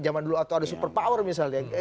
zaman dulu atau ada super power misalnya